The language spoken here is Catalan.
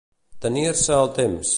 Tenir-se el temps.